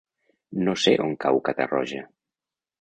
No sé on cau Catarroja.